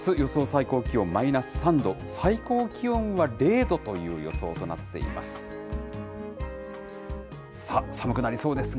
最高気温マイナス３度、最高気温は０度という予想となっています。